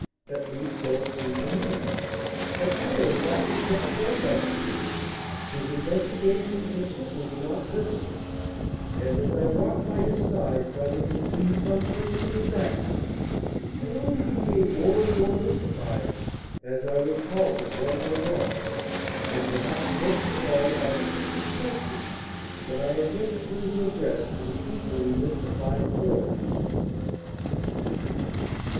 At least, so it seemed to me. But clearly that was not Thorndyke's view. His investigations were certainly not purposeless; and, as I walked by his side trying to conceive some purpose in his actions, I only became more and more mystified as I recalled them one by one, and perhaps most of all by the cryptic questions that I had just heard him address to the equally mystified porter.